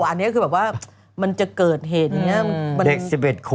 อันนี้คือแบบว่ามันจะเกิดเหตุอย่างเนี้ย